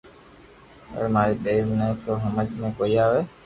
پر ماري ٻيئر ني تو ھمج ۾ ڪوئي َآوي